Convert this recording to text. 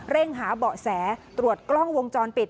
เร่งหาเบาะแสตรวจกล้องวงจรปิด